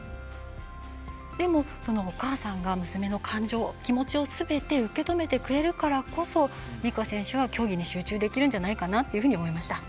でも、お母さんが娘の感情気持ちをすべて受け止めてくれるからこそ光夏選手は競技に集中できるんじゃないかなと思いました。